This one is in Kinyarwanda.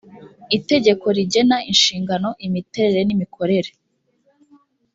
itegeko rigena inshingano imiterere n’imikorere